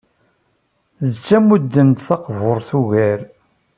D tamudemt taqburt ugar.